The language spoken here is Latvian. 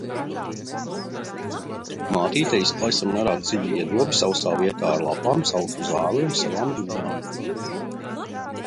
Mātīte izklāj samērā dziļu iedobi sausā vietā ar lapām, sausu zāli un savām dūnām.